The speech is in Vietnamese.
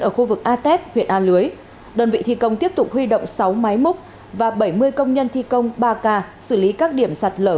ở khu vực a tép huyện a lưới đơn vị thi công tiếp tục huy động sáu máy múc và bảy mươi công nhân thi công ba k xử lý các điểm sạt lở